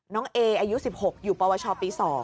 เออายุ๑๖อยู่ปวชปี๒